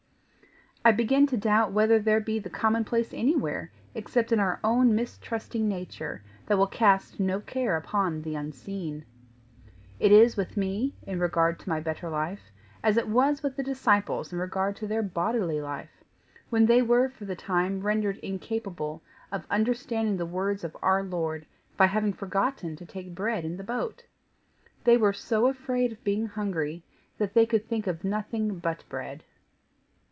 I begin to doubt whether there be the common place anywhere except in our own mistrusting nature, that will cast no care upon the Unseen. It is with me, in regard to my better life, as it was with the disciples in regard to their bodily life, when they were for the time rendered incapable of understanding the words of our Lord by having forgotten to take bread in the boat: they were so afraid of being hungry that they could think of nothing but bread."